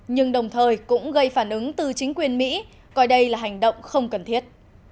nhưng đồng thời cũng gây phản ứng từ chính quyền mỹ coi đây là hành động không cần thiết